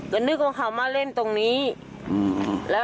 ก็นึกว่าเขามาเล่นตรงนี้อืมอืม